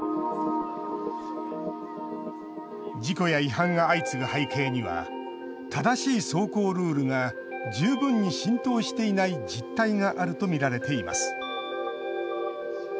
事故や違反が相次ぐ背景には正しい走行ルールが十分に浸透していない実態があると見られています。